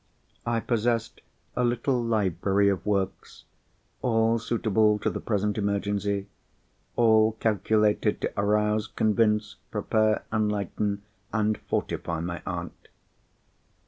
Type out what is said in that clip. I possessed a little library of works, all suitable to the present emergency, all calculated to arouse, convince, prepare, enlighten, and fortify my aunt.